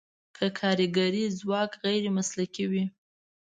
که کارګري ځواک غیر مسلکي وي.